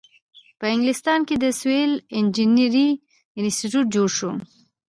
په انګلستان کې د سیول انجینری انسټیټیوټ جوړ شو.